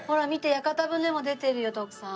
屋形船も出てるよ徳さん。